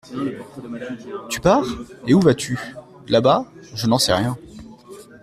Tu pars, et où vas-tu ? Là-bas, je n'en sais rien.